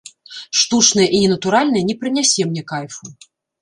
Штучнае і ненатуральнае не прынясе мне кайфу.